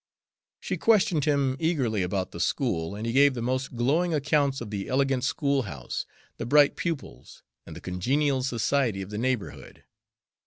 She questioned him eagerly about the school, and he gave the most glowing accounts of the elegant school house, the bright pupils, and the congenial society of the neighborhood.